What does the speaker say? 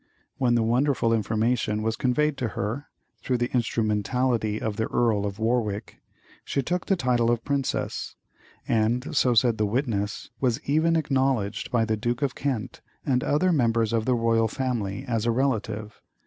When the wonderful information was conveyed to her, through the instrumentality of the Earl of Warwick, she took the title of Princess, and, so said the witness, was even acknowledged by the Duke of Kent and other members of the royal family as a relative.